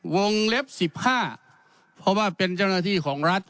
วงเล็บ๑๕เพราะว่าเป็นเจ้าหน้าที่ของรัฐ